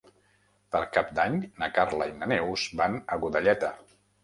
Per Cap d'Any na Carla i na Neus van a Godelleta.